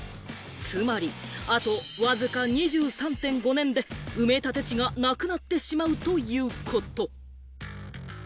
つまり、あとわずか２３．５年で埋め立て地がなくなってしまうということ。